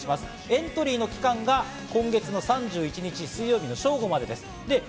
エントリーの期間が今月３１日の水曜日、正午までです。